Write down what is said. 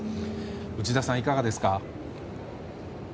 内田さん、いかがですか？